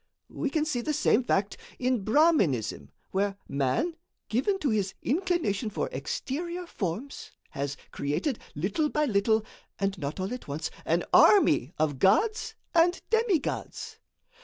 We can see the same fact in Brahminism, where man, given to his inclination for exterior forms, has created, little by little, and not all at once, an army of gods and demigods.